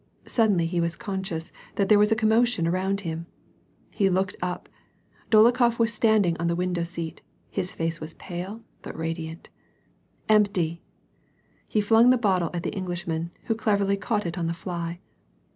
Suddenly he was conscious that thete was a commotion around him. He looked up, Dolokhof was standing on the window seat; his face was paJe but radiant. " Empty !'' He flung the bottle at the Englishman, who cleverly caught it on the fly.